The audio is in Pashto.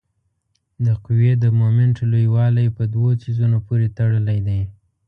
د قوې د مومنټ لویوالی په دوو څیزونو پورې تړلی دی.